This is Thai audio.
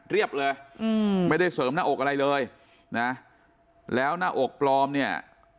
เลยอืมไม่ได้เสริมหน้าอกอะไรเลยนะแล้วหน้าอกปลอมเนี่ย